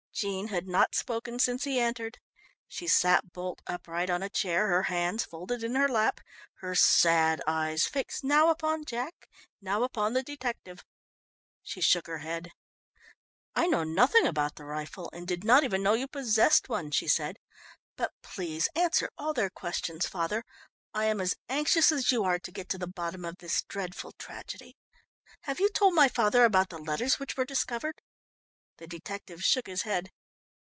Jean had not spoken since he entered. She sat bolt upright on a chair, her hands folded in her lap, her sad eyes fixed now upon Jack, now upon the detective. She shook her head. "I know nothing about the rifle, and did not even know you possessed one," she said. "But please answer all their questions, father. I am as anxious as you are to get to the bottom of this dreadful tragedy. Have you told my father about the letters which were discovered?" The detective shook his head.